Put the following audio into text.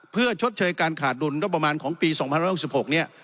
เพื่อชดเชยการขาดดุลงบประมาณของปี๒๐๖๖เนี่ย